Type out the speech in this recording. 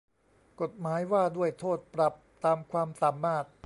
กฎหมายว่าด้วยโทษปรับตามความสามารถ